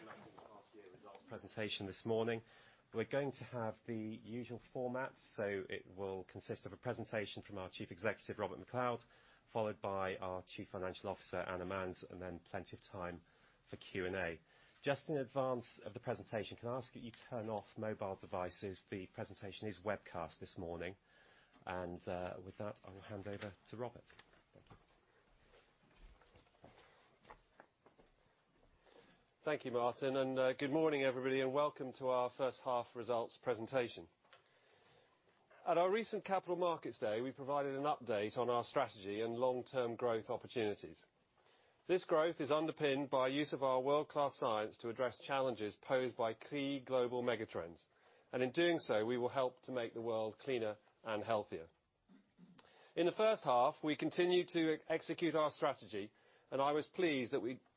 Coming along to Johnson Matthey's half year results presentation this morning. We're going to have the usual format. It will consist of a presentation from our Chief Executive, Robert MacLeod, followed by our Chief Financial Officer, Anna Manz, then plenty of time for Q&A. Just in advance of the presentation, can I ask that you turn off mobile devices? The presentation is webcast this morning. With that, I will hand over to Robert. Thank you. Thank you, Martin. Good morning, everybody, welcome to our first half results presentation. At our recent Capital Markets Day, we provided an update on our strategy and long-term growth opportunities. This growth is underpinned by use of our world-class science to address challenges posed by key global mega trends. In doing so, we will help to make the world cleaner and healthier. In the first half, we continued to execute our strategy. I was pleased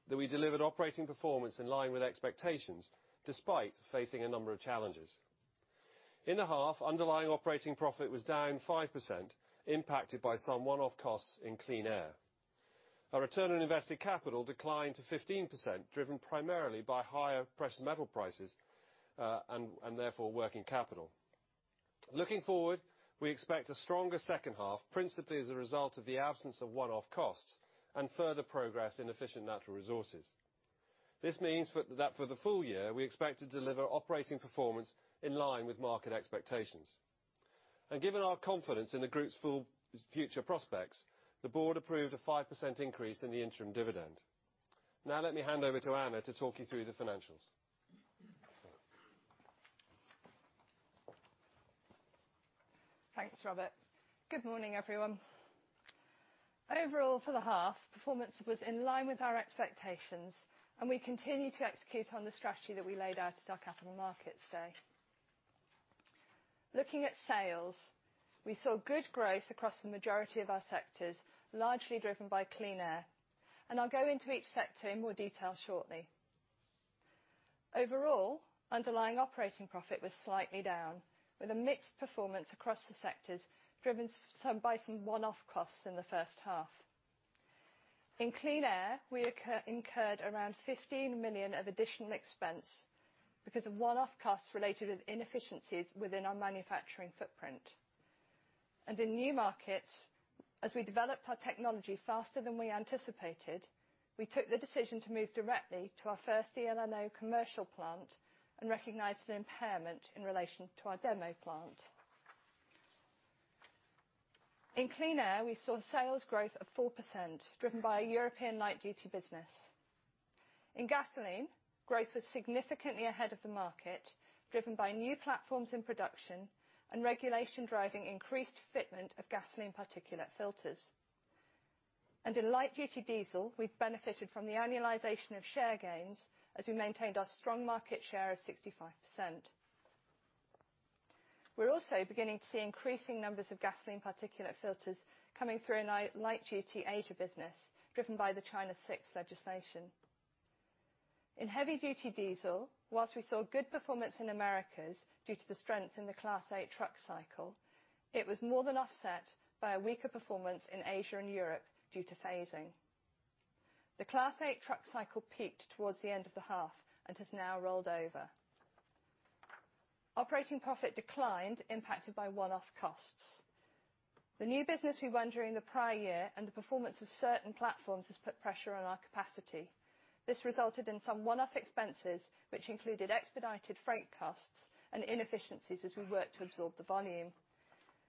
that we delivered operating performance in line with expectations, despite facing a number of challenges. In the half, underlying operating profit was down 5%, impacted by some one-off costs in Clean Air. Our return on invested capital declined to 15%, driven primarily by higher precious metal prices, therefore, working capital. Looking forward, we expect a stronger second half, principally as a result of the absence of one-off costs and further progress in Efficient Natural Resources. This means that for the full year, we expect to deliver operating performance in line with market expectations. Given our confidence in the group's future prospects, the board approved a 5% increase in the interim dividend. Now let me hand over to Anna to talk you through the financials. Thanks, Robert. Good morning, everyone. Overall, for the half, performance was in line with our expectations, and we continue to execute on the strategy that we laid out at our Capital Markets Day. Looking at sales, we saw good growth across the majority of our sectors, largely driven by Clean Air. I'll go into each sector in more detail shortly. Overall, underlying operating profit was slightly down, with a mixed performance across the sectors, driven by some one-off costs in the first half. In Clean Air, we incurred around 15 million of additional expense because of one-off costs related with inefficiencies within our manufacturing footprint. In New Markets, as we developed our technology faster than we anticipated, we took the decision to move directly to our first eLNO commercial plant and recognized an impairment in relation to our demo plant. In Clean Air, we saw sales growth of 4%, driven by our European light-duty business. In gasoline, growth was significantly ahead of the market, driven by new platforms in production and regulation driving increased fitment of gasoline particulate filters. In light-duty diesel, we benefited from the annualization of share gains as we maintained our strong market share of 65%. We're also beginning to see increasing numbers of gasoline particulate filters coming through in our light-duty Asia business, driven by the China VI legislation. In heavy-duty diesel, whilst we saw good performance in Americas due to the strength in the Class 8 truck cycle, it was more than offset by a weaker performance in Asia and Europe due to phasing. The Class 8 truck cycle peaked towards the end of the half and has now rolled over. Operating profit declined, impacted by one-off costs. The new business we won during the prior year and the performance of certain platforms has put pressure on our capacity. This resulted in some one-off expenses, which included expedited freight costs and inefficiencies as we worked to absorb the volume.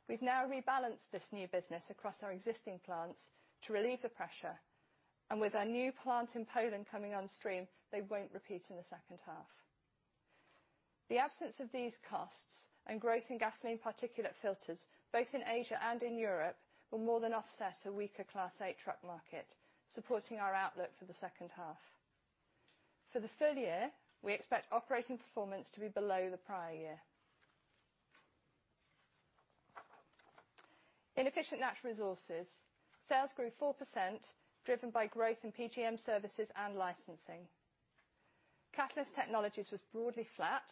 We've now rebalanced this new business across our existing plants to relieve the pressure, and with our new plant in Poland coming on stream, they won't repeat in the second half. The absence of these costs and growth in gasoline particulate filters, both in Asia and in Europe, will more than offset a weaker Class 8 truck market, supporting our outlook for the second half. For the full year, we expect operating performance to be below the prior year. In Efficient Natural Resources, sales grew 4%, driven by growth in PGM Services and licensing. Catalyst Technologies was broadly flat.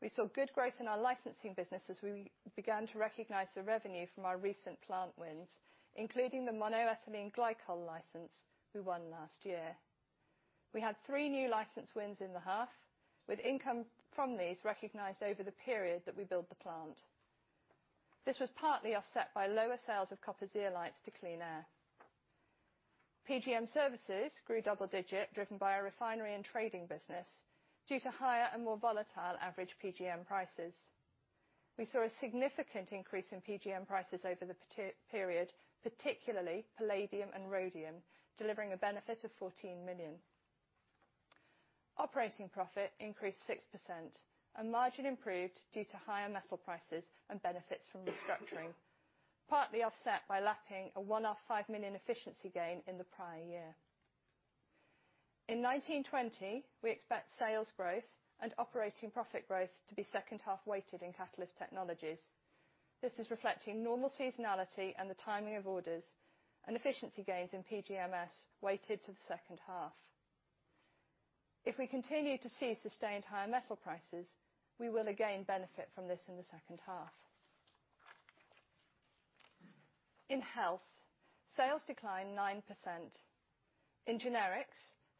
We saw good growth in our licensing business as we began to recognize the revenue from our recent plant wins, including the monoethylene glycol license we won last year. We had three new license wins in the half, with income from these recognized over the period that we built the plant. This was partly offset by lower sales of copper zeolites to Clean Air. PGM Services grew double digit, driven by our refinery and trading business due to higher and more volatile average PGM prices. We saw a significant increase in PGM prices over the period, particularly palladium and rhodium, delivering a benefit of 14 million. Operating profit increased 6% and margin improved due to higher metal prices and benefits from restructuring, partly offset by lapping a one-off 5 million efficiency gain in the prior year. In 2019, 2020, we expect sales growth and operating profit growth to be second-half weighted in Catalyst Technologies. This is reflecting normal seasonality and the timing of orders and efficiency gains in PGMS weighted to the second half. If we continue to see sustained higher metal prices, we will again benefit from this in the second half. In health, sales declined 9%. In generics,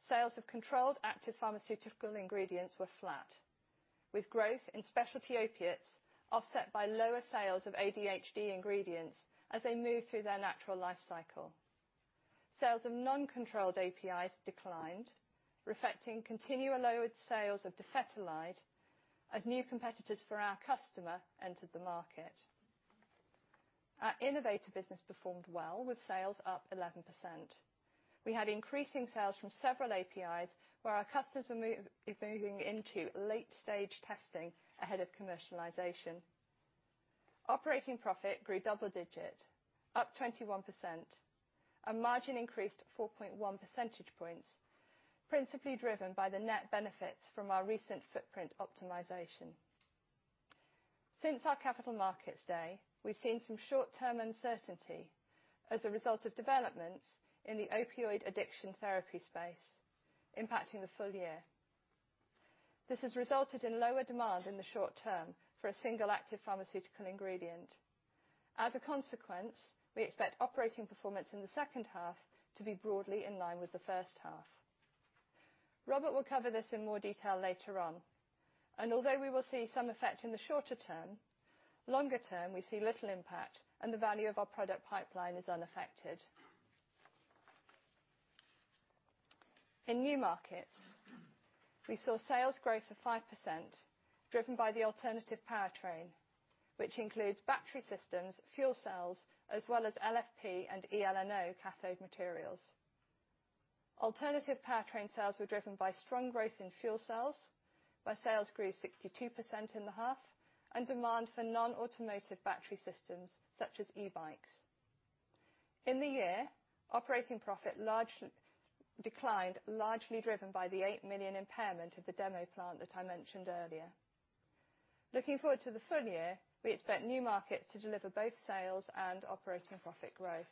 sales of controlled active pharmaceutical ingredients were flat, with growth in specialty opiates offset by lower sales of ADHD ingredients as they move through their natural life cycle. Sales of non-controlled APIs declined, reflecting continual lowered sales of dofetilide as new competitors for our customer entered the market. Our innovative business performed well with sales up 11%. We had increasing sales from several APIs where our customers are moving into late-stage testing ahead of commercialization. Operating profit grew double digit, up 21%, and margin increased 4.1 percentage points, principally driven by the net benefits from our recent footprint optimization. Since our capital markets day, we've seen some short-term uncertainty as a result of developments in the opioid addiction therapy space impacting the full year. This has resulted in lower demand in the short term for a single active pharmaceutical ingredient. As a consequence, we expect operating performance in the second half to be broadly in line with the first half. Robert will cover this in more detail later on. Although we will see some effect in the shorter term, longer term, we see little impact and the value of our product pipeline is unaffected. In New Markets, we saw sales growth of 5% driven by the alternative powertrain, which includes battery systems, fuel cells, as well as LFP and eLNO cathode materials. Alternative powertrain sales were driven by strong growth in fuel cells, where sales grew 62% in the half, and demand for non-automotive battery systems such as e-bikes. In the year, operating profit declined, largely driven by the 8 million impairment of the demo plant that I mentioned earlier. Looking forward to the full year, we expect New Markets to deliver both sales and operating profit growth.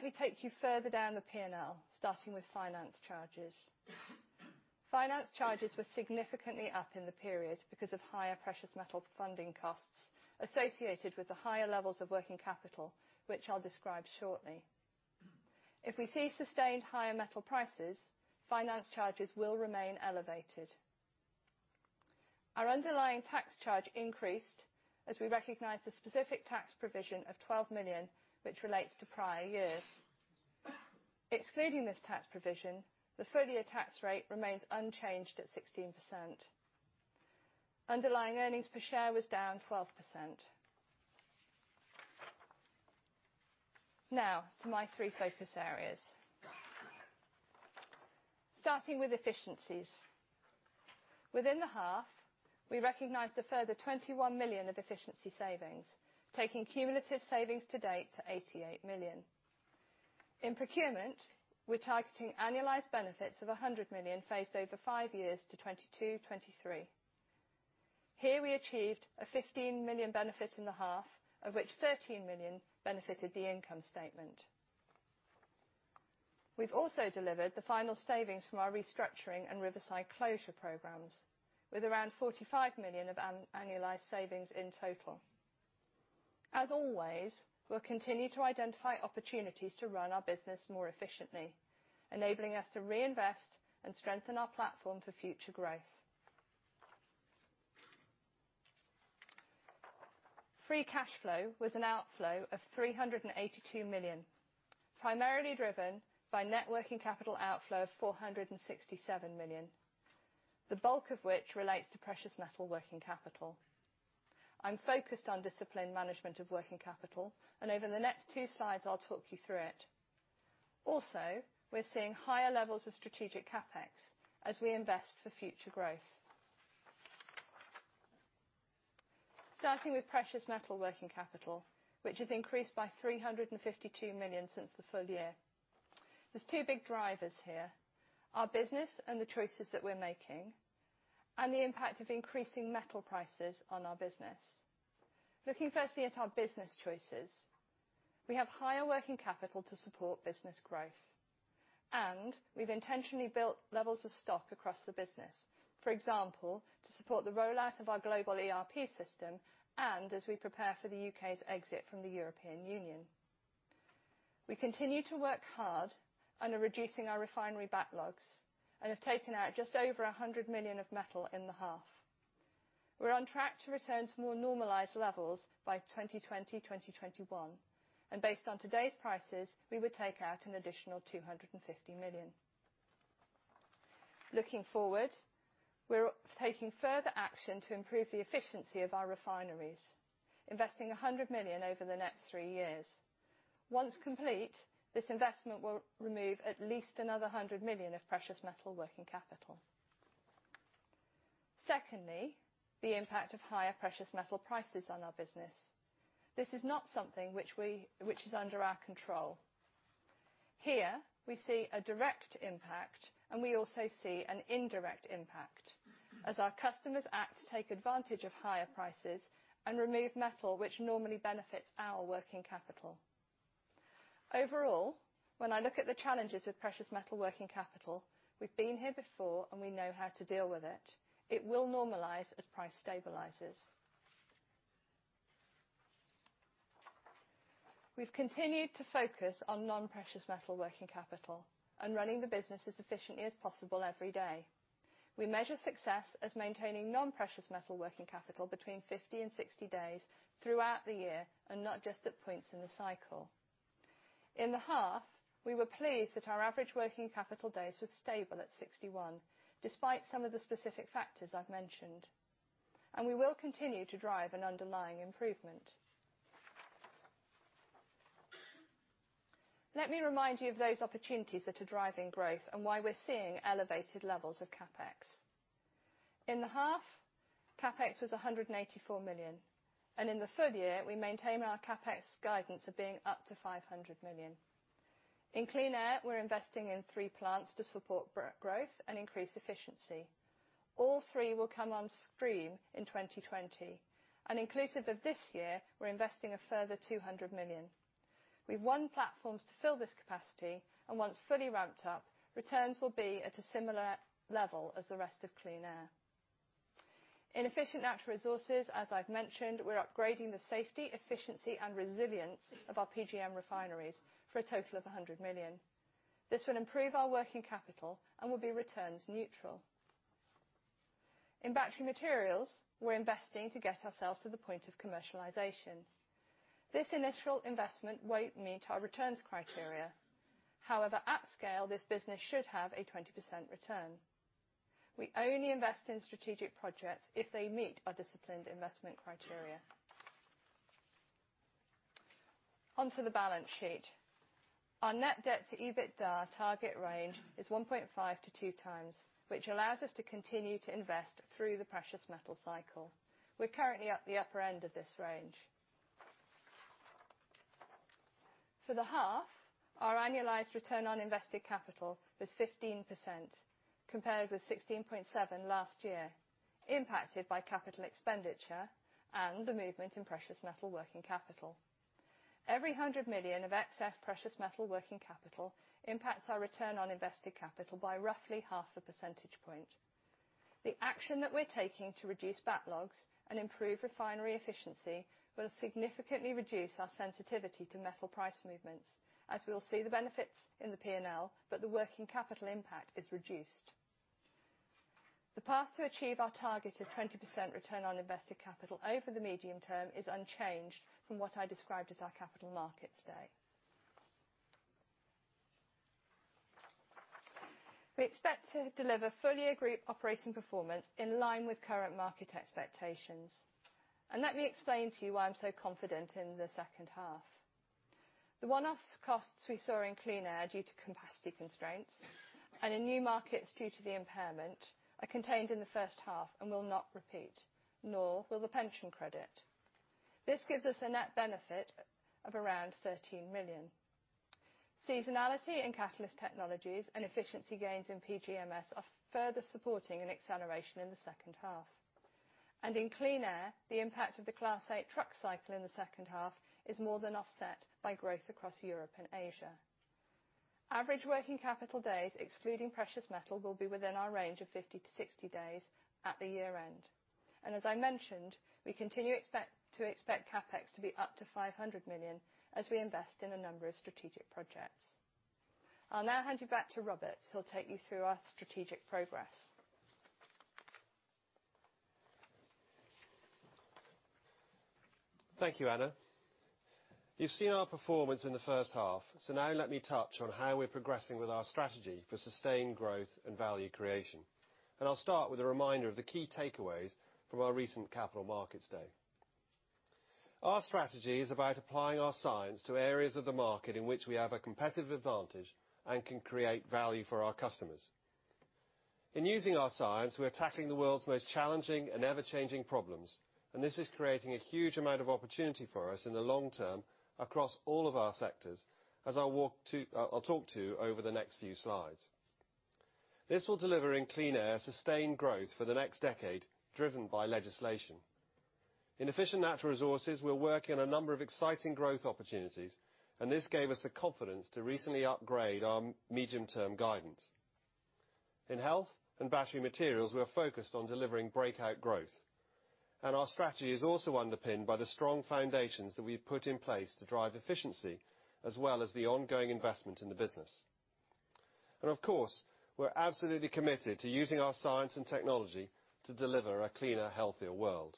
Let me take you further down the P&L, starting with finance charges. Finance charges were significantly up in the period because of higher precious metal funding costs associated with the higher levels of working capital, which I'll describe shortly. If we see sustained higher metal prices, finance charges will remain elevated. Our underlying tax charge increased as we recognized a specific tax provision of 12 million, which relates to prior years. Excluding this tax provision, the full-year tax rate remains unchanged at 16%. Underlying earnings per share was down 12%. Now to my three focus areas. Starting with efficiencies. Within the half, we recognized a further 21 million of efficiency savings, taking cumulative savings to date to 88 million. In procurement, we're targeting annualized benefits of 100 million phased over five years to 2022-2023. Here, we achieved a 15 million benefit in the half, of which 13 million benefited the income statement. We've also delivered the final savings from our restructuring and Riverside closure programs with around 45 million of annualized savings in total. As always, we'll continue to identify opportunities to run our business more efficiently, enabling us to reinvest and strengthen our platform for future growth. Free cash flow was an outflow of 382 million, primarily driven by net working capital outflow of 467 million, the bulk of which relates to precious metal working capital. I'm focused on disciplined management of working capital, and over the next two slides, I'll talk you through it. Also, we're seeing higher levels of strategic CapEx as we invest for future growth. Starting with precious metal working capital, which has increased by 352 million since the full year. There's two big drivers here, our business and the choices that we're making, and the impact of increasing metal prices on our business. Looking firstly at our business choices, we have higher working capital to support business growth, and we've intentionally built levels of stock across the business, for example, to support the rollout of our global ERP system and as we prepare for the U.K.'s exit from the European Union. We continue to work hard on reducing our refinery backlogs and have taken out just over 100 million of metal in the half. We're on track to return to more normalized levels by 2020, 2021, and based on today's prices, we would take out an additional 250 million. Looking forward, we're taking further action to improve the efficiency of our refineries, investing 100 million over the next three years. Once complete, this investment will remove at least another 100 million of precious metal working capital. Secondly, the impact of higher precious metal prices on our business. This is not something which is under our control. Here, we see a direct impact and we also see an indirect impact as our customers act to take advantage of higher prices and remove metal which normally benefits our working capital. Overall, when I look at the challenges with precious metal working capital, we've been here before and we know how to deal with it. It will normalize as price stabilizes. We've continued to focus on non-precious metal working capital and running the business as efficiently as possible every day. We measure success as maintaining non-precious metal working capital between 50 and 60 days throughout the year, and not just at points in the cycle. In the half, we were pleased that our average working capital days were stable at 61, despite some of the specific factors I've mentioned. We will continue to drive an underlying improvement. Let me remind you of those opportunities that are driving growth and why we're seeing elevated levels of CapEx. In the half, CapEx was 184 million, and in the full year, we maintain our CapEx guidance of being up to 500 million. In Clean Air, we're investing in three plants to support growth and increase efficiency. All three will come on stream in 2020. Inclusive of this year, we're investing a further 200 million. We've one platforms to fill this capacity, and once fully ramped up, returns will be at a similar level as the rest of Clean Air. Efficient Natural Resources, as I've mentioned, we're upgrading the safety, efficiency, and resilience of our PGM refineries for a total of 100 million. This will improve our working capital and will be returns neutral. Battery Materials, we're investing to get ourselves to the point of commercialization. This initial investment won't meet our returns criteria. However, at scale, this business should have a 20% return. We only invest in strategic projects if they meet our disciplined investment criteria. On to the balance sheet. Our net debt to EBITDA target range is 1.5-2 times, which allows us to continue to invest through the precious metal cycle. We're currently at the upper end of this range. For the half, our annualized return on invested capital was 15%, compared with 16.7% last year, impacted by CapEx and the movement in precious metal working capital. Every 100 million of excess precious metal working capital impacts our return on invested capital by roughly half a percentage point. The action that we're taking to reduce backlogs and improve refinery efficiency will significantly reduce our sensitivity to metal price movements, as we'll see the benefits in the P&L, but the working capital impact is reduced. The path to achieve our target of 20% return on invested capital over the medium term is unchanged from what I described at our Capital Markets Day. We expect to deliver full-year group operating performance in line with current market expectations. Let me explain to you why I'm so confident in the second half. The one-off costs we saw in Clean Air due to capacity constraints and in New Markets due to the impairment are contained in the first half and will not repeat, nor will the pension credit. This gives us a net benefit of around 13 million. Seasonality in Catalyst Technologies and efficiency gains in PGMS are further supporting an acceleration in the second half. In Clean Air, the impact of the Class 8 truck cycle in the second half is more than offset by growth across Europe and Asia. Average working capital days, excluding precious metal, will be within our range of 50-60 days at the year end. As I mentioned, we continue to expect CapEx to be up to 500 million as we invest in a number of strategic projects. I'll now hand you back to Robert, who'll take you through our strategic progress. Thank you, Anna. You've seen our performance in the first half, now let me touch on how we're progressing with our strategy for sustained growth and value creation. I'll start with a reminder of the key takeaways from our recent Capital Markets Day. Our strategy is about applying our science to areas of the market in which we have a competitive advantage and can create value for our customers. In using our science, we are tackling the world's most challenging and ever-changing problems, this is creating a huge amount of opportunity for us in the long term across all of our sectors, as I'll talk to over the next few slides. This will deliver in Clean Air sustained growth for the next decade, driven by legislation. In Efficient Natural Resources, we're working on a number of exciting growth opportunities. This gave us the confidence to recently upgrade our medium-term guidance. In health and Battery Materials, we are focused on delivering breakout growth. Our strategy is also underpinned by the strong foundations that we've put in place to drive efficiency, as well as the ongoing investment in the business. Of course, we're absolutely committed to using our science and technology to deliver a cleaner, healthier world.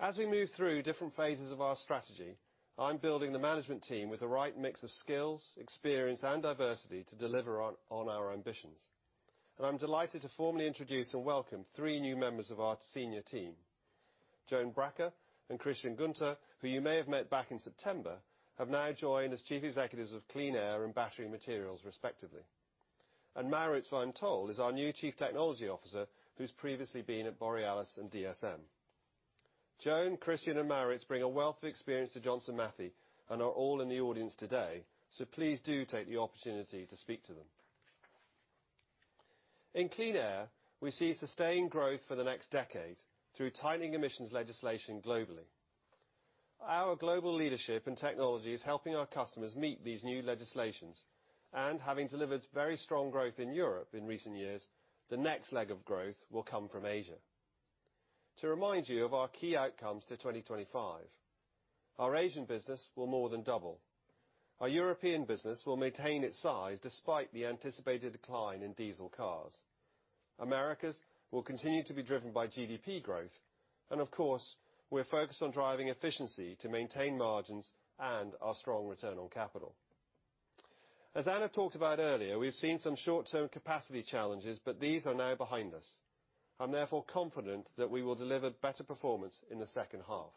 As we move through different phases of our strategy, I'm building the management team with the right mix of skills, experience and diversity to deliver on our ambitions. I'm delighted to formally introduce and welcome three new members of our senior team. Joan Braca and Christian Günther, who you may have met back in September, have now joined as chief executives of Clean Air and Battery Materials, respectively. Maurits van Tol is our new Chief Technology Officer, who's previously been at Borealis and DSM. Joan, Christian, and Maurits bring a wealth of experience to Johnson Matthey and are all in the audience today. Please do take the opportunity to speak to them. In Clean Air, we see sustained growth for the next decade through tightening emissions legislation globally. Our global leadership in technology is helping our customers meet these new legislations. Having delivered very strong growth in Europe in recent years, the next leg of growth will come from Asia. To remind you of our key outcomes to 2025, our Asian business will more than double. Our European business will maintain its size despite the anticipated decline in diesel cars. Americas will continue to be driven by GDP growth. Of course, we're focused on driving efficiency to maintain margins and our strong return on capital. As Anna talked about earlier, we've seen some short-term capacity challenges, but these are now behind us. I'm therefore confident that we will deliver better performance in the second half.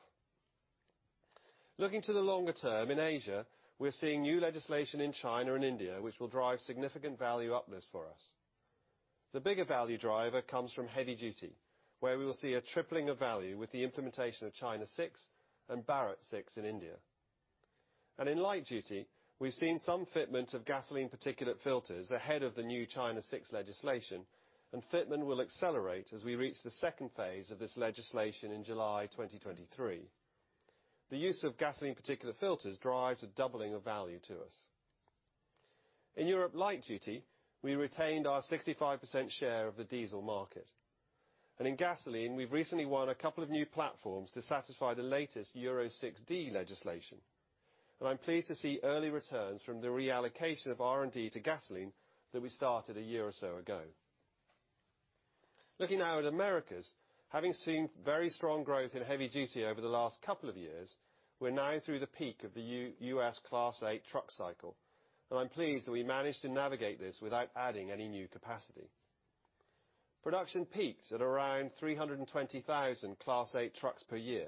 Looking to the longer term, in Asia, we're seeing new legislation in China and India which will drive significant value uplift for us. The bigger value driver comes from heavy-duty, where we will see a tripling of value with the implementation of China VI and Bharat VI in India. In light-duty, we've seen some fitment of gasoline particulate filters ahead of the new China VI legislation, and fitment will accelerate as we reach the second phase of this legislation in July 2023. The use of gasoline particulate filters drives a doubling of value to us. In Europe light duty, we retained our 65% share of the diesel market. In gasoline, we've recently won a couple of new platforms to satisfy the latest Euro 6d legislation. I'm pleased to see early returns from the reallocation of R&D to gasoline that we started a year or so ago. Looking now at Americas, having seen very strong growth in heavy duty over the last couple of years, we're now through the peak of the U.S. Class 8 truck cycle, and I'm pleased that we managed to navigate this without adding any new capacity. Production peaks at around 320,000 Class 8 trucks per year,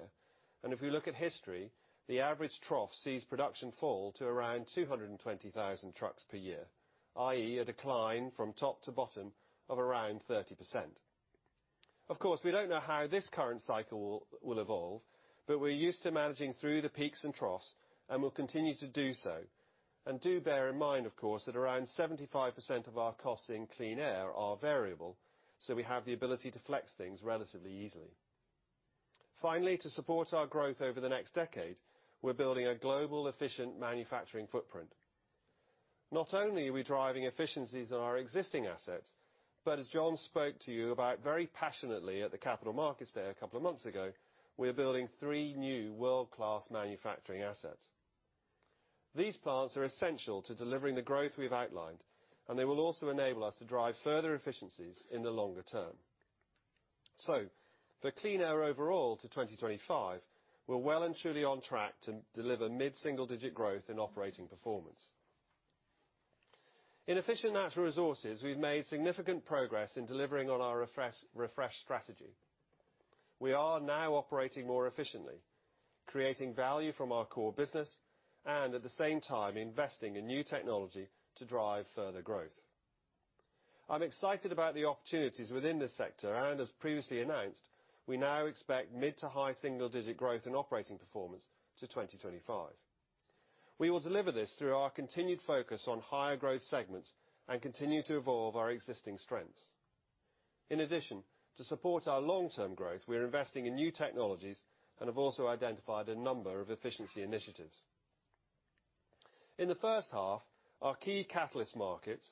and if we look at history, the average trough sees production fall to around 220,000 trucks per year, i.e., a decline from top to bottom of around 30%. Of course, we don't know how this current cycle will evolve, but we're used to managing through the peaks and troughs and will continue to do so. Do bear in mind, of course, that around 75% of our costs in Clean Air are variable, so we have the ability to flex things relatively easily. Finally, to support our growth over the next decade, we're building a global efficient manufacturing footprint. Not only are we driving efficiencies on our existing assets, but as John spoke to you about very passionately at the Capital Markets Day a couple of months ago, we are building three new world-class manufacturing assets. These plants are essential to delivering the growth we've outlined, and they will also enable us to drive further efficiencies in the longer term. For Clean Air overall to 2025, we're well and truly on track to deliver mid-single digit growth in operating performance. In Efficient Natural Resources, we've made significant progress in delivering on our refreshed strategy. We are now operating more efficiently, creating value from our core business, and at the same time, investing in new technology to drive further growth. I'm excited about the opportunities within this sector, and as previously announced, we now expect mid to high single digit growth in operating performance to 2025. We will deliver this through our continued focus on higher growth segments and continue to evolve our existing strengths. In addition, to support our long-term growth, we are investing in new technologies and have also identified a number of efficiency initiatives. In the first half, our key catalyst markets,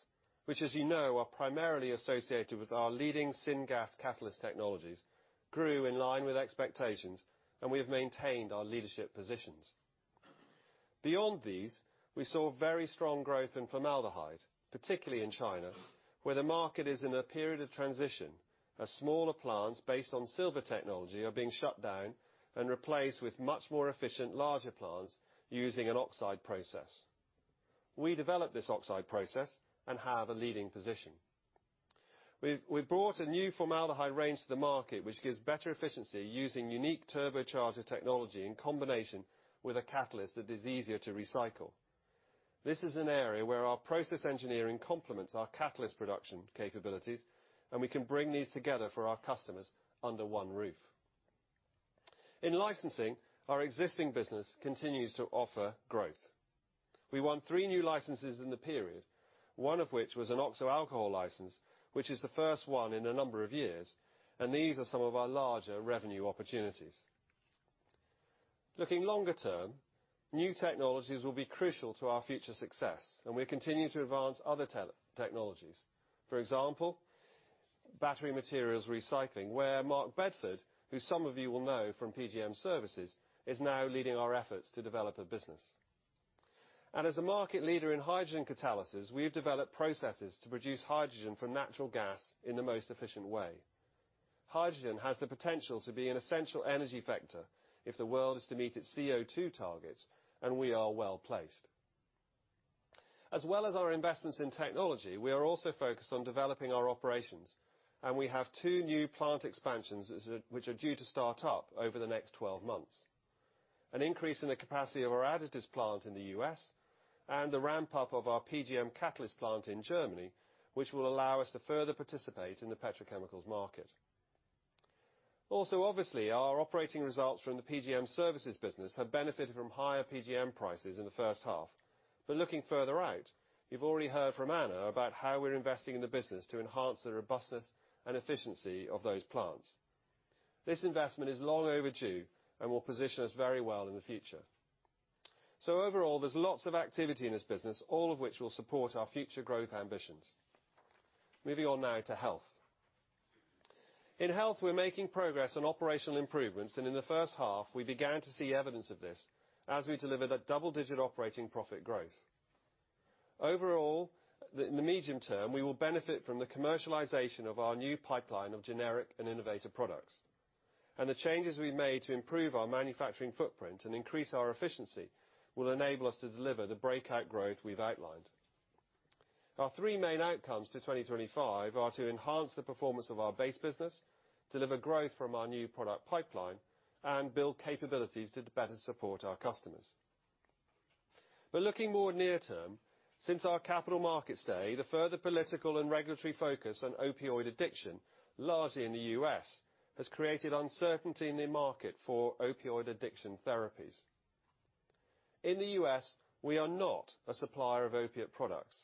which as you know are primarily associated with our leading syngas catalyst technologies, grew in line with expectations, and we have maintained our leadership positions. Beyond these, we saw very strong growth in formaldehyde, particularly in China, where the market is in a period of transition, as smaller plants based on silver technology are being shut down and replaced with much more efficient larger plants using an oxide process. We developed this oxide process and have a leading position. We've brought a new formaldehyde range to the market, which gives better efficiency using unique turbocharger technology in combination with a catalyst that is easier to recycle. This is an area where our process engineering complements our catalyst production capabilities, and we can bring these together for our customers under one roof. In licensing, our existing business continues to offer growth. We won three new licenses in the period, one of which was an oxo alcohol license, which is the first one in a number of years. These are some of our larger revenue opportunities. Looking longer term, new technologies will be crucial to our future success. We continue to advance other technologies. For example, Battery Materials recycling, where Mark Bedford, who some of you will know from PGM Services, is now leading our efforts to develop a business. As a market leader in hydrogen catalysis, we have developed processes to produce hydrogen from natural gas in the most efficient way. Hydrogen has the potential to be an essential energy vector if the world is to meet its CO2 targets. We are well-placed. As well as our investments in technology, we are also focused on developing our operations, and we have two new plant expansions, which are due to start up over the next 12 months: an increase in the capacity of our additives plant in the U.S., and the ramp up of our PGM catalyst plant in Germany, which will allow us to further participate in the petrochemicals market. Obviously, our operating results from the PGM Services business have benefited from higher PGM prices in the first half. Looking further out, you've already heard from Anna about how we're investing in the business to enhance the robustness and efficiency of those plants. This investment is long overdue and will position us very well in the future. Overall, there's lots of activity in this business, all of which will support our future growth ambitions. Moving on now to health. In health, we're making progress on operational improvements, and in the first half, we began to see evidence of this as we delivered a double-digit operating profit growth. Overall, in the medium term, we will benefit from the commercialization of our new pipeline of generic and innovative products. The changes we've made to improve our manufacturing footprint and increase our efficiency will enable us to deliver the breakout growth we've outlined. Our three main outcomes to 2025 are to enhance the performance of our base business, deliver growth from our new product pipeline, and build capabilities to better support our customers. Looking more near term, since our capital markets day, the further political and regulatory focus on opioid addiction, largely in the U.S., has created uncertainty in the market for opioid addiction therapies. In the U.S., we are not a supplier of opiate products,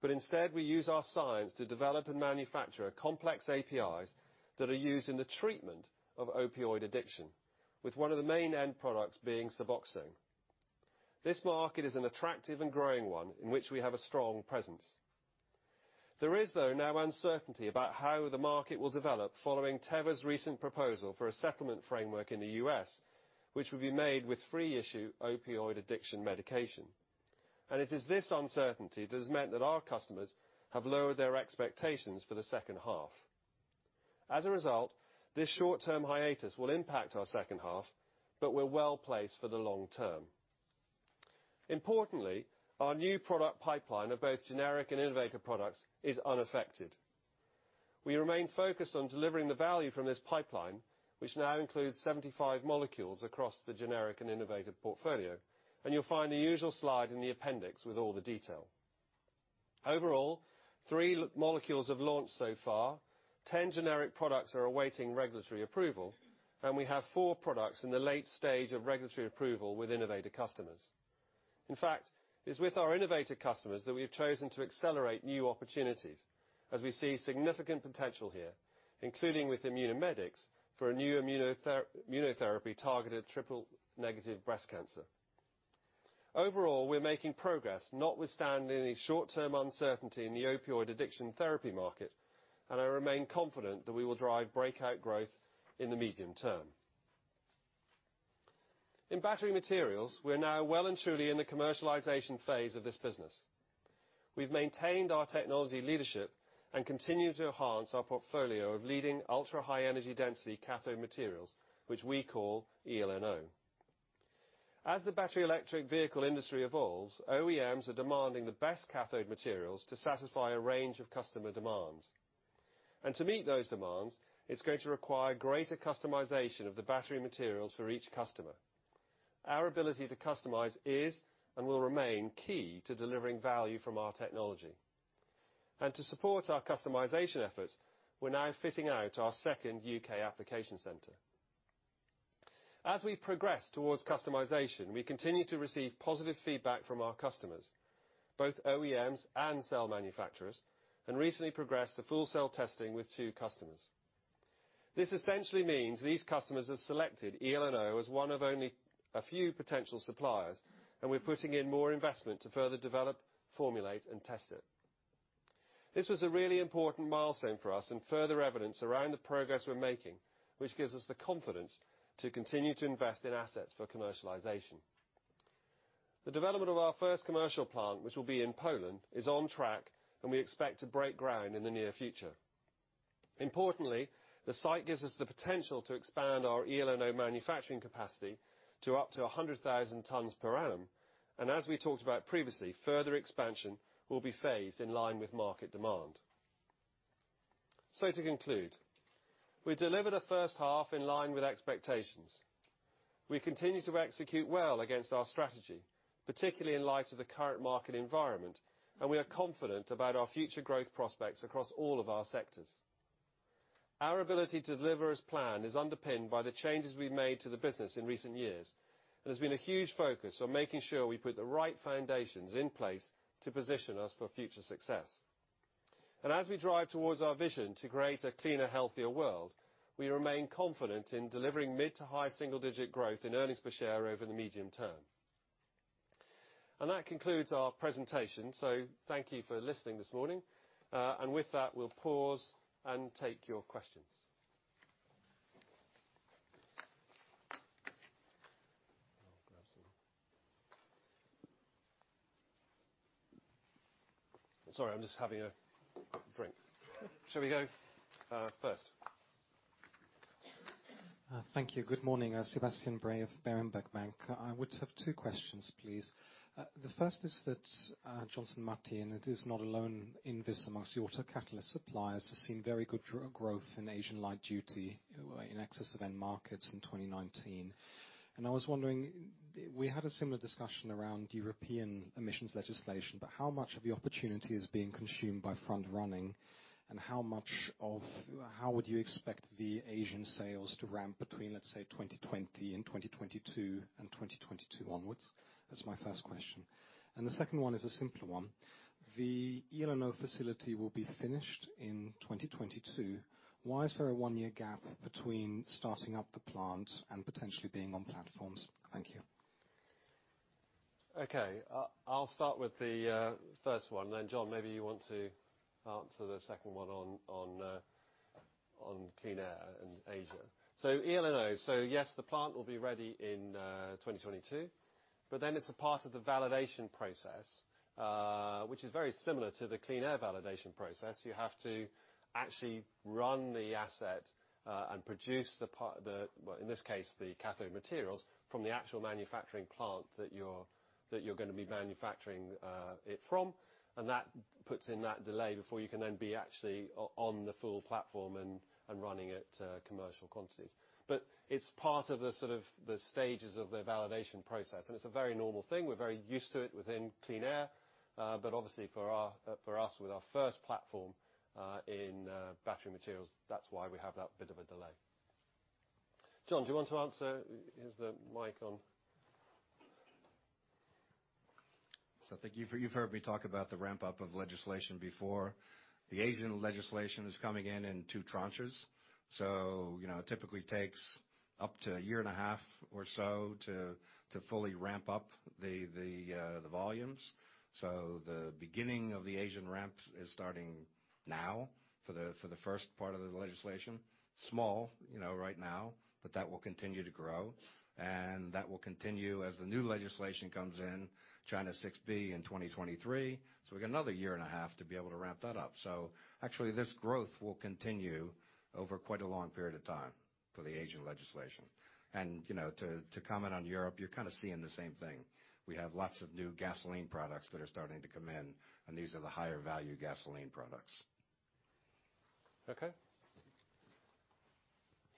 but instead we use our science to develop and manufacture complex APIs that are used in the treatment of opioid addiction. With one of the main end products being Suboxone. This market is an attractive and growing one in which we have a strong presence. There is, though, now uncertainty about how the market will develop following Teva's recent proposal for a settlement framework in the U.S., which will be made with free issue opioid addiction medication. It is this uncertainty that has meant that our customers have lowered their expectations for the second half. As a result, this short-term hiatus will impact our second half, but we're well-placed for the long term. Importantly, our new product pipeline of both generic and innovative products is unaffected. We remain focused on delivering the value from this pipeline, which now includes 75 molecules across the generic and innovative portfolio, and you'll find the usual slide in the appendix with all the detail. Overall, three molecules have launched so far, 10 generic products are awaiting regulatory approval, and we have four products in the late stage of regulatory approval with innovative customers. In fact, it's with our innovative customers that we have chosen to accelerate new opportunities as we see significant potential here, including with Immunomedics for a new immunotherapy targeted triple-negative breast cancer. Overall, we're making progress, notwithstanding the short-term uncertainty in the opioid addiction therapy market, and I remain confident that we will drive breakout growth in the medium term. In Battery Materials, we are now well and truly in the commercialization phase of this business. We've maintained our technology leadership and continue to enhance our portfolio of leading ultra-high energy density cathode materials, which we call eLNO. As the battery electric vehicle industry evolves, OEMs are demanding the best cathode materials to satisfy a range of customer demands. To meet those demands, it's going to require greater customization of the battery materials for each customer. Our ability to customize is and will remain key to delivering value from our technology. To support our customization efforts, we're now fitting out our second U.K. application center. As we progress towards customization, we continue to receive positive feedback from our customers, both OEMs and cell manufacturers, and recently progressed to full cell testing with two customers. This essentially means these customers have selected eLNO as one of only a few potential suppliers, and we're putting in more investment to further develop, formulate, and test it. This was a really important milestone for us and further evidence around the progress we're making, which gives us the confidence to continue to invest in assets for commercialization. The development of our first commercial plant, which will be in Poland, is on track, and we expect to break ground in the near future. Importantly, the site gives us the potential to expand our eLNO manufacturing capacity to up to 100,000 tons per annum. As we talked about previously, further expansion will be phased in line with market demand. To conclude, we delivered a first half in line with expectations. We continue to execute well against our strategy, particularly in light of the current market environment, and we are confident about our future growth prospects across all of our sectors. Our ability to deliver as planned is underpinned by the changes we've made to the business in recent years and has been a huge focus on making sure we put the right foundations in place to position us for future success. As we drive towards our vision to create a cleaner, healthier world, we remain confident in delivering mid to high single-digit growth in earnings per share over the medium term. That concludes our presentation. Thank you for listening this morning. With that, we'll pause and take your questions. I'll grab some Sorry, I'm just having a drink. Shall we go first? Thank you. Good morning. Sebastian Bray of Berenberg Bank. I would have two questions, please. The first is that Johnson Matthey, and it is not alone in this amongst the auto catalyst suppliers, has seen very good growth in Asian light duty in excess of end markets in 2019. I was wondering, we had a similar discussion around European emissions legislation, but how much of the opportunity is being consumed by front-running? How would you expect the Asian sales to ramp between, let's say, 2020 and 2022, and 2022 onwards? That's my first question. The second one is a simpler one. The eLNO facility will be finished in 2022. Why is there a one-year gap between starting up the plant and potentially being on platforms? Thank you. I'll start with the first one, then, John, maybe you want to answer the second one on Clean Air in Asia. eLNO. Yes, the plant will be ready in 2022, but then it's a part of the validation process, which is very similar to the Clean Air validation process. You have to actually run the asset, and produce the, well, in this case, the cathode materials from the actual manufacturing plant that you're going to be manufacturing it from. That puts in that delay before you can then be actually on the full platform and running it commercial quantities. It's part of the stages of the validation process, and it's a very normal thing. We're very used to it within Clean Air. Obviously for us with our first platform in Battery Materials, that's why we have that bit of a delay. John, do you want to answer? Is the mic on? I think you've heard me talk about the ramp-up of legislation before. The Asian legislation is coming in in two tranches. It typically takes up to a year and a half or so to fully ramp up the volumes. The beginning of the Asian ramp is starting now for the first part of the legislation. Small right now, but that will continue to grow, and that will continue as the new legislation comes in, China VIb in 2023. We've got another year and a half to be able to ramp that up. Actually this growth will continue over quite a long period of time for the Asian legislation. To comment on Europe, you're kind of seeing the same thing. We have lots of new gasoline products that are starting to come in, and these are the higher value gasoline products.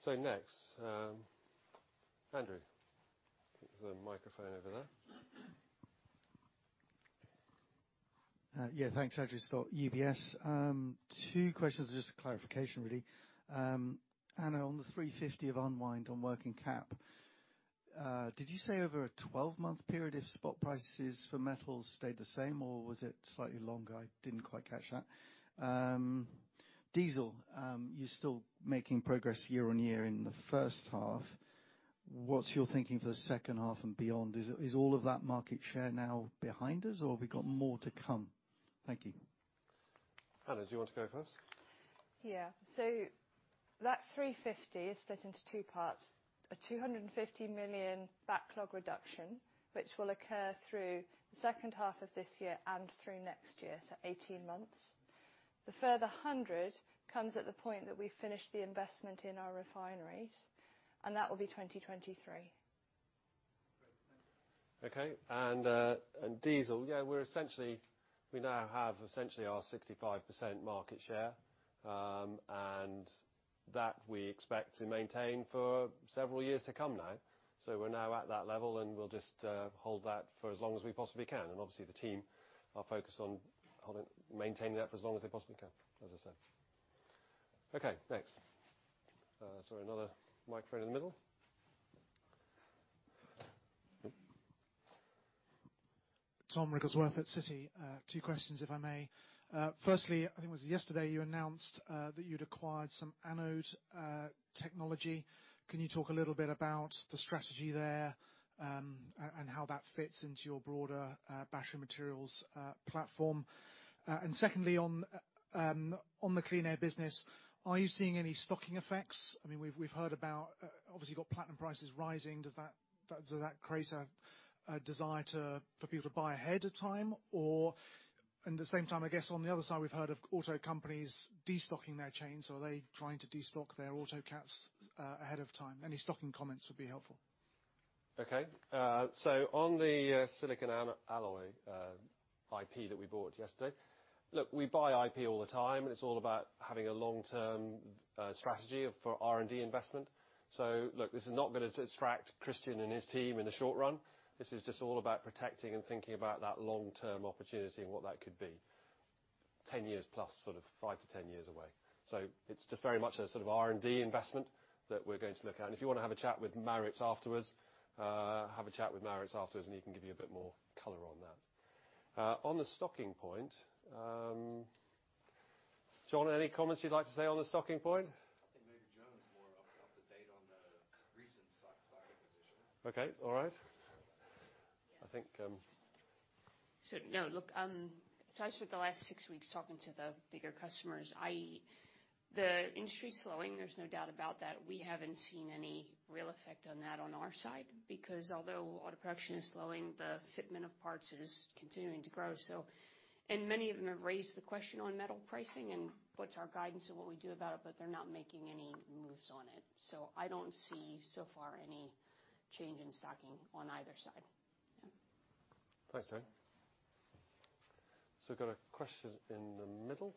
Okay. Next, Andrew. I think there's a microphone over there. Thanks. Andrew Stott, UBS. Two questions, just clarification, really. Anna, on the 350 of unwind on working cap, did you say over a 12-month period if spot prices for metals stayed the same, or was it slightly longer? I didn't quite catch that. Diesel, you're still making progress year-on-year in the first half. What's your thinking for the second half and beyond? Is all of that market share now behind us, or have we got more to come? Thank you. Anna, do you want to go first? Yeah. That 350 is split into two parts. A 250 million backlog reduction, which will occur through the second half of this year and through next year, so 18 months. The further 100 comes at the point that we finish the investment in our refineries, and that will be 2023. Great. Thank you. Diesel, we now have essentially our 65% market share, and that we expect to maintain for several years to come now. We're now at that level, and we'll just hold that for as long as we possibly can. Obviously the team are focused on maintaining that for as long as they possibly can, as I said. Okay, next. Sorry, another microphone in the middle. Tom Wrigglesworth at Citi. Two questions, if I may. Firstly, I think it was yesterday, you announced that you'd acquired some anode technology. Can you talk a little bit about the strategy there, and how that fits into your broader Battery Materials platform? Secondly, on the Clean Air business, are you seeing any stocking effects? I mean, we've heard about, obviously, you've got platinum prices rising. Does that create a desire for people to buy ahead of time? In the same time, I guess on the other side, we've heard of auto companies de-stocking their chains. Are they trying to de-stock their auto cats ahead of time? Any stocking comments would be helpful. Okay. On the silicon alloy IP that we bought yesterday, look, we buy IP all the time, and it's all about having a long-term strategy for R&D investment. Look, this is not going to distract Christian and his team in the short run. This is just all about protecting and thinking about that long-term opportunity and what that could be, 10 years plus, sort of 5 to 10 years away. It's just very much a sort of R&D investment that we're going to look at. If you want to have a chat with Maurits afterwards, have a chat with Maurits afterwards and he can give you a bit more color on that. On the stocking point, John, any comments you'd like to say on the stocking point? I think maybe Joan is more up-to-date on the recent stock positions. Okay. All right. I think, No, look. I spent the last six weeks talking to the bigger customers, i.e., the industry's slowing, there's no doubt about that. We haven't seen any real effect on that on our side because although auto production is slowing, the fitment of parts is continuing to grow, so. Many of them have raised the question on metal pricing and what's our guidance and what we do about it, but they're not making any moves on it. I don't see so far any change in stocking on either side. Yeah. Thanks, Joan. I've got a question in the middle.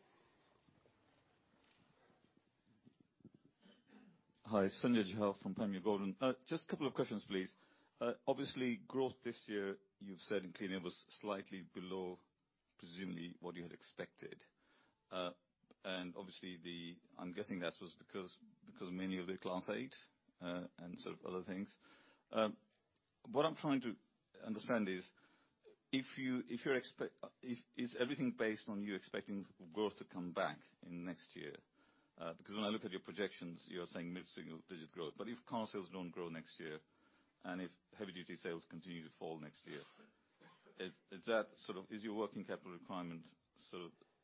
Hi, Sanjay Jha from Premier Miton. Just a couple of questions, please. Obviously, growth this year, you've said in Clean Air was slightly below, presumably, what you had expected. Obviously, I am guessing that was because of many of the Class 8 and sort of other things. What I am trying to understand is everything based on you expecting growth to come back in next year? When I look at your projections, you are saying mid-single digit growth. If car sales don't grow next year, and if heavy-duty sales continue to fall next year, does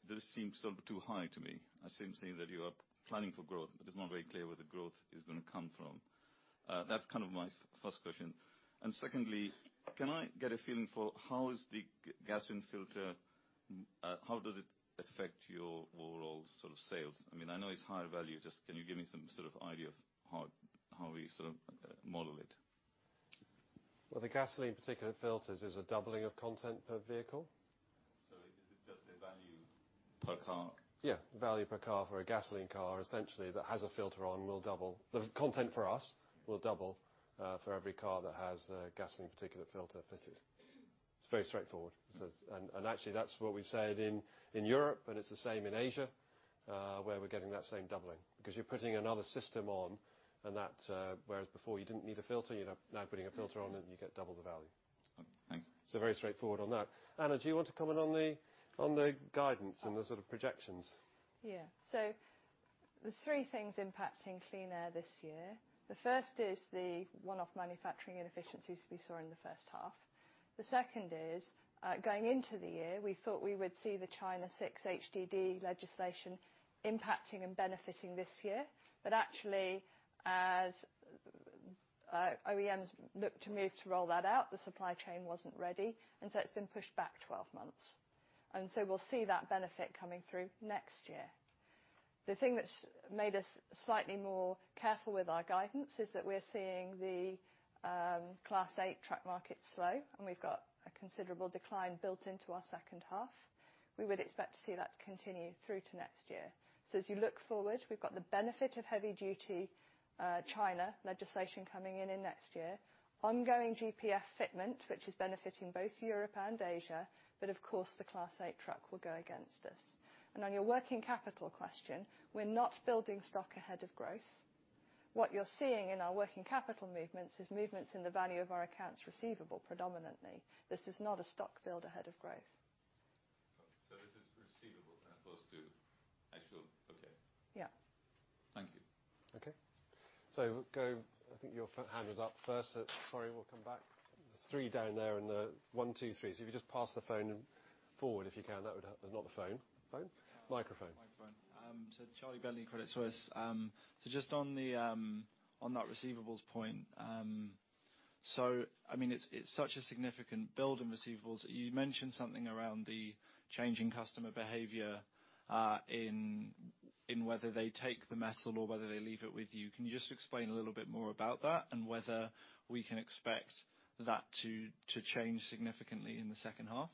it seem still a bit too high to me? I seem to see that you are planning for growth, it is not very clear where the growth is going to come from. That is kind of my first question. Secondly, can I get a feeling for how is the gasoline filter, how does it affect your overall sales? I know it's higher value. Just can you give me some sort of idea of how we model it? Well, the gasoline particulate filters is a doubling of content per vehicle. Is it just a value per car? Yeah, value per car. For a gasoline car, essentially, that has a filter on will double. The content for us will double for every car that has a gasoline particulate filter fitted. It's very straightforward. Actually, that's what we've said in Europe, and it's the same in Asia, where we're getting that same doubling. Because you're putting another system on, and that whereas before you didn't need a filter, you're now putting a filter on and you get double the value. Thanks. Very straightforward on that. Anna, do you want to comment on the guidance and the sort of projections? There's three things impacting Clean Air this year. The first is the one-off manufacturing inefficiencies we saw in the first half. The second is, going into the year, we thought we would see the China 6 HDD legislation impacting and benefiting this year. Actually, as OEMs looked to move to roll that out, the supply chain wasn't ready. It's been pushed back 12 months. We'll see that benefit coming through next year. The thing that's made us slightly more careful with our guidance is that we're seeing the Class 8 truck market slow, and we've got a considerable decline built into our second half. We would expect to see that continue through to next year. As you look forward, we've got the benefit of heavy-duty China legislation coming in next year, ongoing GPF fitment, which is benefiting both Europe and Asia. Of course, the Class 8 truck will go against us. On your working capital question, we're not building stock ahead of growth. What you're seeing in our working capital movements is movements in the value of our accounts receivable predominantly. This is not a stock build ahead of growth. This is receivables as opposed to actual. Okay. Yeah. Thank you. Okay. We'll go, I think your hand was up first. Sorry, we'll come back. There's three down there in the one, two, three. If you just pass the phone forward, if you can. There's not the phone. Microphone. Charlie Bentley, Credit Suisse. Just on that receivables point. It's such a significant build in receivables. You mentioned something around the changing customer behavior in whether they take the metal or whether they leave it with you. Can you just explain a little bit more about that and whether we can expect that to change significantly in the second half?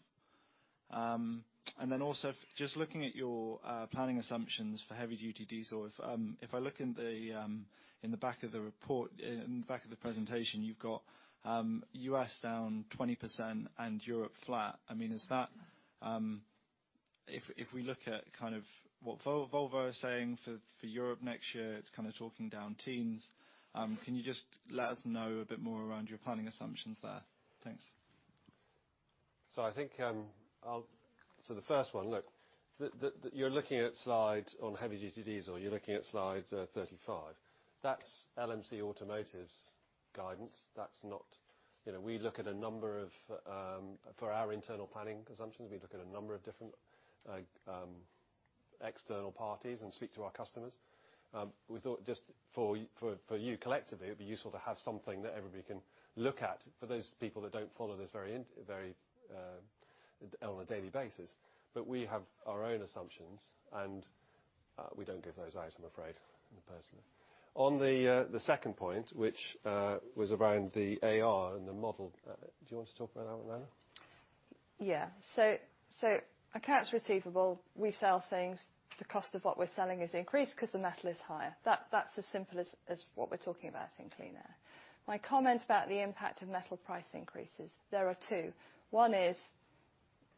Then also, just looking at your planning assumptions for heavy-duty diesel. If I look in the back of the presentation, you've got U.S. down 20% and Europe flat. If we look at kind of what Volvo are saying for Europe next year, it's kind of talking down teens. Can you just let us know a bit more around your planning assumptions there? Thanks. The first one, look, you're looking at slide on heavy-duty diesel. You're looking at slide 35. That's LMC Automotive's guidance. For our internal planning assumptions, we look at a number of different external parties and speak to our customers. We thought just for you collectively, it'd be useful to have something that everybody can look at for those people that don't follow this on a daily basis. We have our own assumptions, and we don't give those out, I'm afraid personally. On the second point, which was around the AR and the model. Do you want to talk about that one, Anna? Accounts receivable, we sell things. The cost of what we're selling has increased because the metal is higher. That's as simple as what we're talking about in Clean Air. My comment about the impact of metal price increases, there are two. One is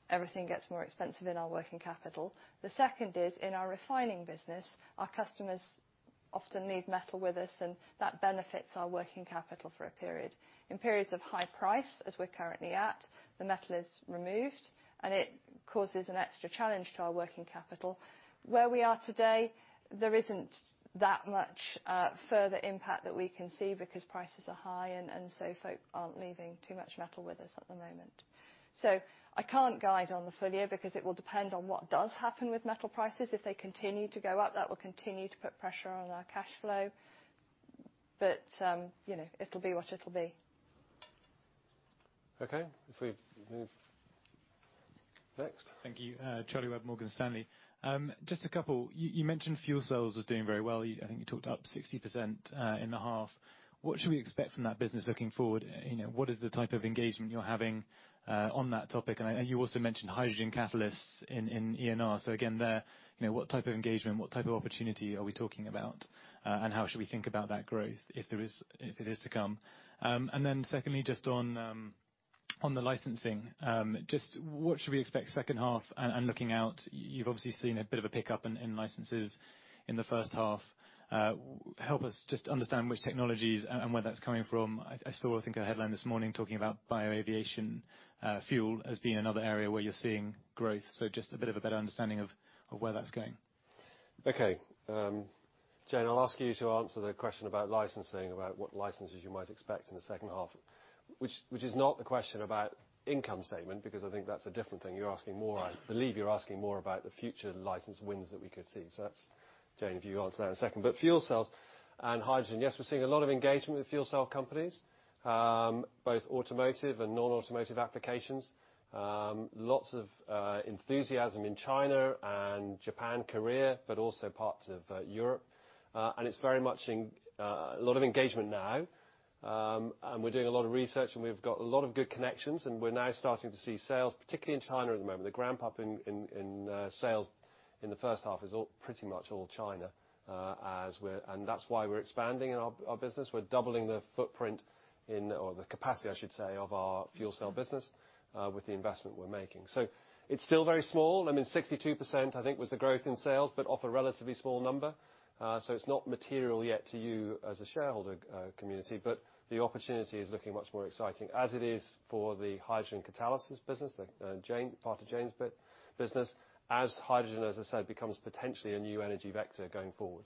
everything gets more expensive in our working capital. The second is in our refining business, our customers often leave metal with us, and that benefits our working capital for a period. In periods of high price, as we're currently at, the metal is removed, and it causes an extra challenge to our working capital. Where we are today, there isn't that much further impact that we can see because prices are high, folk aren't leaving too much metal with us at the moment. I can't guide on the full year because it will depend on what does happen with metal prices. If they continue to go up, that will continue to put pressure on our cash flow. It'll be what it'll be. Okay. Next. Thank you. Charlie Webb, Morgan Stanley. Just a couple. You mentioned fuel cells was doing very well. I think you talked up 60% in the half. What should we expect from that business looking forward? What is the type of engagement you are having on that topic? You also mentioned hydrogen catalysts in ENR. Again, there, what type of engagement, what type of opportunity are we talking about? How should we think about that growth, if it is to come? Secondly, just on the licensing, just what should we expect second half and looking out? You have obviously seen a bit of a pickup in licenses in the first half. Help us just understand which technologies and where that is coming from. I saw, I think, a headline this morning talking about bio aviation fuel as being another area where you are seeing growth. Just a bit of a better understanding of where that's going. Okay. Jane, I'll ask you to answer the question about licensing, about what licenses you might expect in the second half, which is not the question about income statement, because I think that's a different thing. I believe you're asking more about the future license wins that we could see. Jane, if you answer that in a second. Fuel cells and hydrogen, yes, we're seeing a lot of engagement with fuel cell companies, both automotive and non-automotive applications. Lots of enthusiasm in China and Japan, Korea, but also parts of Europe. It's very much a lot of engagement now. We're doing a lot of research and we've got a lot of good connections, and we're now starting to see sales, particularly in China at the moment. The ramp-up in sales in the first half is pretty much all China. That's why we're expanding our business. We're doubling the footprint or the capacity, I should say, of our fuel cell business with the investment we're making. It's still very small. 62%, I think, was the growth in sales, but off a relatively small number. It's not material yet to you as a shareholder community, but the opportunity is looking much more exciting as it is for the hydrogen catalysis business, the part of Jane's business, as hydrogen, as I said, becomes potentially a new energy vector going forward.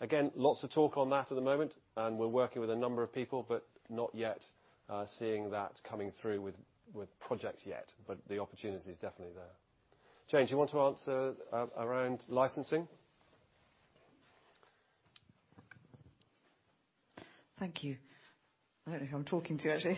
Again, lots of talk on that at the moment, and we're working with a number of people, but not yet seeing that coming through with projects yet. The opportunity is definitely there. Jane, do you want to answer around licensing? Thank you. I don't know who I'm talking to, actually.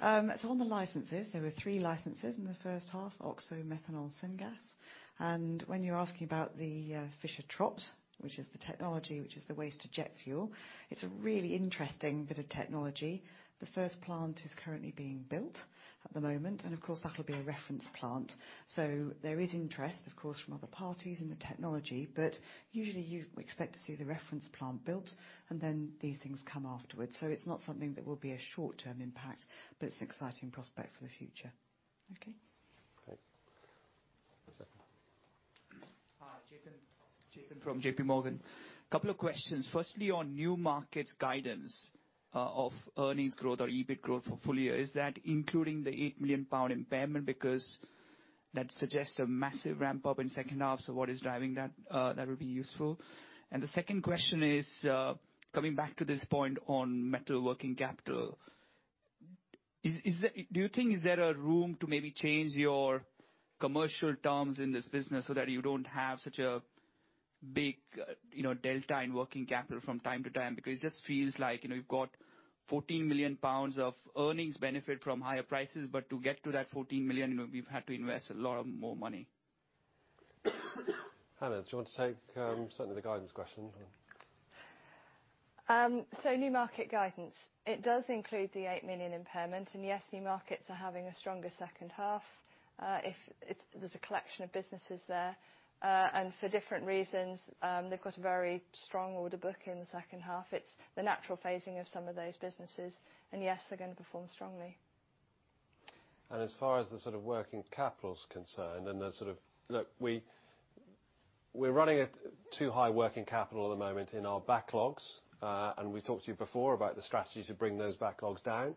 On the licenses, there were three licenses in the first half, oxo, methanol, syngas. When you're asking about the Fischer-Tropsch, which is the technology which is the waste to jet fuel, it's a really interesting bit of technology. The first plant is currently being built at the moment, and of course, that'll be a reference plant. There is interest, of course, from other parties in the technology, but usually you expect to see the reference plant built and then these things come afterwards. It's not something that will be a short-term impact, but it's an exciting prospect for the future. Okay. Great. Hi, Jiten. Jiten from JP Morgan. Couple of questions. Firstly, on New Markets guidance of earnings growth or EBIT growth for full year, is that including the 8 million pound impairment? Because that suggests a massive ramp-up in second half. What is driving that? That would be useful. The second question is, coming back to this point on metal working capital. Do you think is there a room to maybe change your commercial terms in this business so that you don't have such a big delta in working capital from time to time? Because it just feels like you've got 14 million pounds of earnings benefit from higher prices, but to get to that 14 million, we've had to invest a lot of more money. Anna, do you want to take certainly the guidance question? New Markets guidance. It does include the 8 million impairment. Yes, New Markets are having a stronger second half. There's a collection of businesses there. For different reasons, they've got a very strong order book in the second half. It's the natural phasing of some of those businesses. Yes, they're going to perform strongly. As far as the sort of working capital is concerned, we're running at too high working capital at the moment in our backlogs. We talked to you before about the strategy to bring those backlogs down.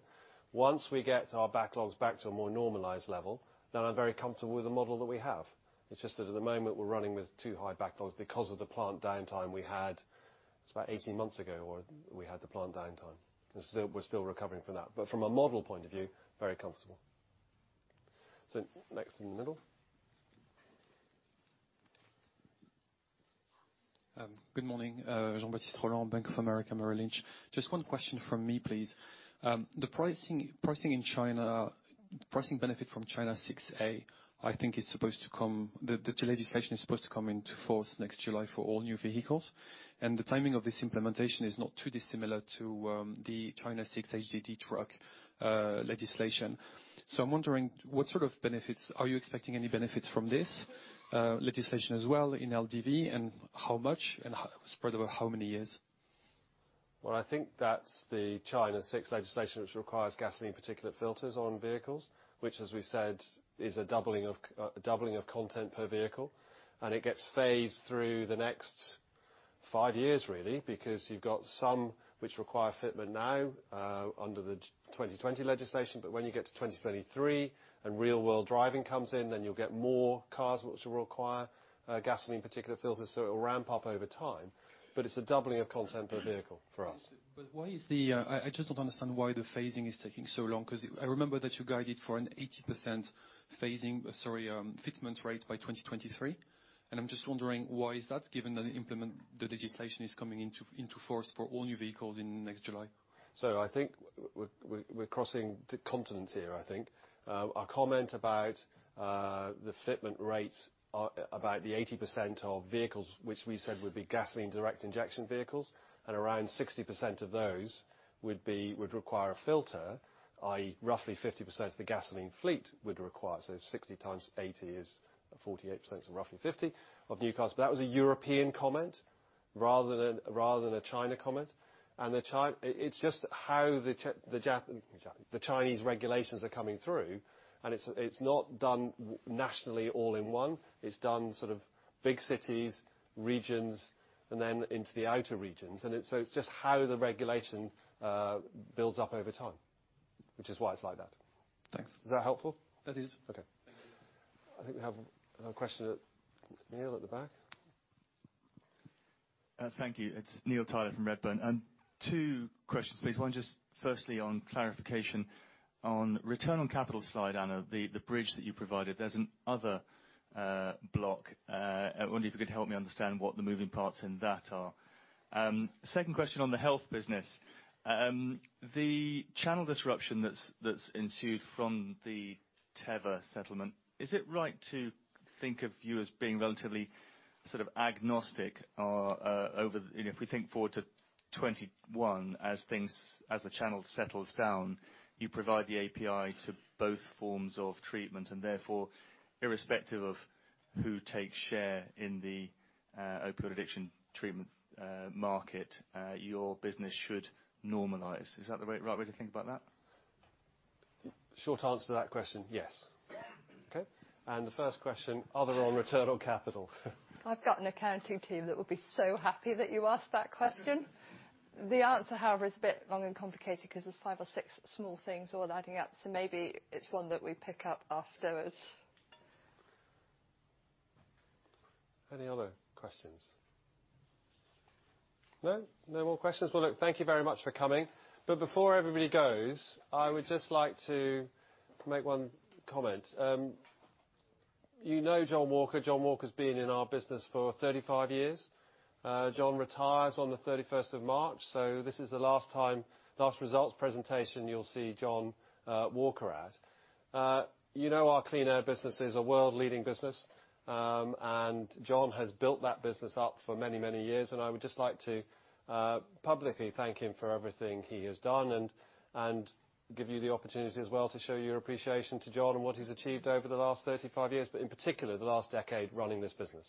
Once we get our backlogs back to a more normalized level, then I'm very comfortable with the model that we have. It's just that at the moment, we're running with too high backlogs because of the plant downtime we had. It's about 18 months ago where we had the plant downtime. We're still recovering from that. From a model point of view, very comfortable. Next in the middle. Good morning. Jean-Baptiste Rolland, Bank of America Merrill Lynch. Just one question from me, please. The pricing benefit from China 6a, the legislation is supposed to come into force next July for all new vehicles. The timing of this implementation is not too dissimilar to the China 6 HDD truck legislation. I'm wondering what sort of benefits, are you expecting any benefits from this legislation as well in LDV and how much and spread over how many years? Well, I think that's the China 6 legislation which requires gasoline particulate filters on vehicles, which as we said, is a doubling of content per vehicle. It gets phased through the next five years really, because you've got some which require fitment now under the 2020 legislation, but when you get to 2023 and real world driving comes in, then you'll get more cars which will require gasoline particulate filters. It will ramp up over time, but it's a doubling of content per vehicle for us. I just don't understand why the phasing is taking so long, because I remember that you guided for an 80% fitment rate by 2023. I'm just wondering why is that, given that the legislation is coming into force for all new vehicles in next July? I think we're crossing continents here, I think. Our comment about the fitment rates are about the 80% of vehicles which we said would be gasoline direct injection vehicles, and around 60% of those would require a filter, i.e., roughly 50% of the gasoline fleet would require. 60 times 80 is 48%, roughly 50 of new cars. That was a European comment rather than a China comment. It's just how the Chinese regulations are coming through, and it's not done nationally all in one. It's done sort of big cities, regions, and then into the outer regions. It's just how the regulation builds up over time, which is why it's like that. Thanks. Is that helpful? That is. Okay. Thank you. I think we have another question. Neil at the back. Thank you. It's Neil Tyler from Redburn. Two questions, please. One just firstly on clarification. On return on capital slide, Anna, the bridge that you provided, there's an other block. I wonder if you could help me understand what the moving parts in that are. Second question on the health business. The channel disruption that's ensued from the Teva settlement, is it right to think of you as being relatively sort of agnostic? If we think forward to 2021, as the channel settles down, you provide the API to both forms of treatment, and therefore, irrespective of who takes share in the opiate addiction treatment market, your business should normalize. Is that the right way to think about that? Short answer to that question, yes. Okay. The first question, other on return on capital. I've got an accounting team that would be so happy that you asked that question. The answer, however, is a bit long and complicated because there's five or six small things all adding up. Maybe it's one that we pick up afterwards. Any other questions? No? No more questions. Well, look, thank you very much for coming. Before everybody goes, I would just like to make one comment. You know John Walker. John Walker's been in our business for 35 years. John retires on the 31st of March, so this is the last results presentation you'll see John Walker at. You know our Clean Air business is a world-leading business. John has built that business up for many, many years, and I would just like to publicly thank him for everything he has done and give you the opportunity as well to show your appreciation to John and what he's achieved over the last 35 years, but in particular, the last decade running this business.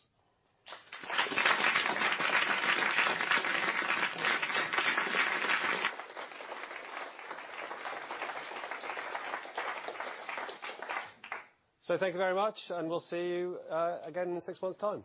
Thank you very much, and we'll see you again in six months' time.